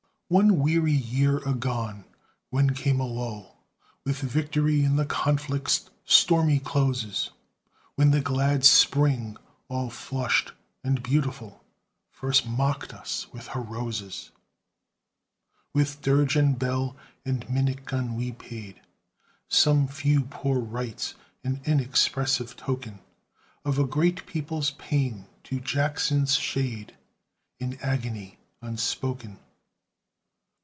One weary year agone, when came a lull With victory in the conflict's stormy closes, When the glad Spring, all flushed and beautiful, First mocked us with her roses, With dirge and bell and minute gun, we paid Some few poor rites an inexpressive token Of a great people's pain to Jackson's shade, In agony unspoken.